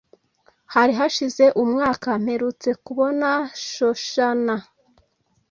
Hari hashize umwaka mperutse kubona Shoshannah.